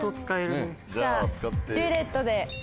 じゃあ「ルーレット」で。